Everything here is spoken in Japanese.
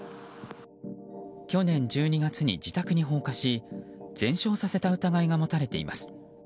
去年１２月に自宅に放火し全焼させた疑いが持たれています。